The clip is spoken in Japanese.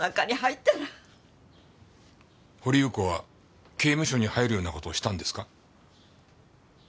掘祐子は刑務所に入るような事をしたんですか？